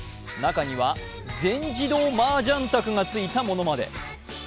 中には全自動マージャン卓が付いたものまで。